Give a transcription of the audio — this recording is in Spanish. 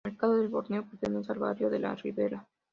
El mercado del Borne pertenece al barrio de La Ribera.